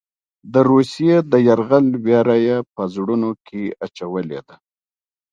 د روسیې د یرغل وېره یې په زړونو کې اچولې ده.